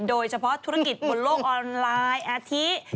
โดยเฉพาะธุรกิจบนโลกออนไลน์อาทิ